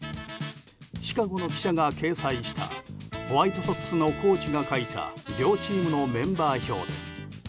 シカゴの記者が掲載したホワイトソックスのコーチが書いた両チームのメンバー表です。